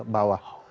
dari pusat bawah